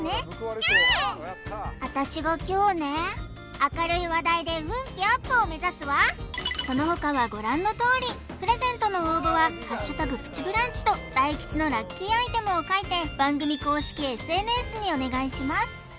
ちゃん私が凶ね明るい話題で運気アップを目指すわそのほかはご覧のとおりプレゼントの応募は「＃プチブランチ」と大吉のラッキーアイテムを書いて番組公式ＳＮＳにお願いします